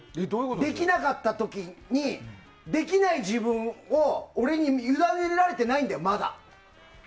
できなかった時にできない自分を俺にゆだねられていないんだよまだ。